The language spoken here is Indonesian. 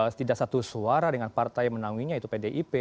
setidak satu suara dengan partai yang menanginya yaitu bdip